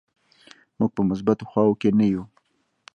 موږ په مثبتو خواو کې نه یو.